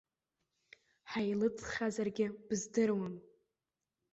Ҳаилыҵхьазаргьы быздыруам.